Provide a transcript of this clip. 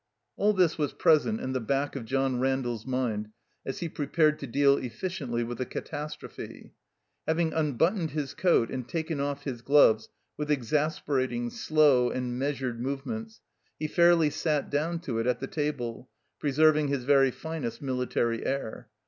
All this was present in the back of John Randall's mind as he prepared to deal efficiently with the catastrophe. Having unbuttoned his coat and taken o£E his gloves with exasperating, slow, and measured movements, he fairly sat down to it at the table, preserving his very finest military air.